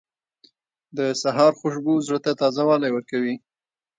• د سهار خوشبو زړه ته تازهوالی ورکوي.